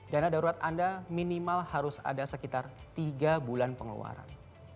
dana darurat anda minimal harus ada sekitar tiga bulan pengeluaran